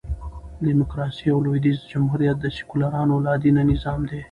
ډيموکراسي او لوېدیځ جمهوریت د سیکولرانو لا دینه نظام دئ.